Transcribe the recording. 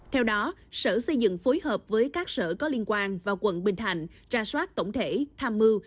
theo đó sở xây dựng phối hợp với các sở có liên quan vào quận bình thành tra soát tổng thể tham mưu